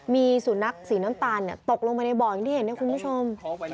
มีสุนัขสีน้ำตาลตกลงไปในบ่ออย่างที่เห็นเนี่ยคุณผู้ชม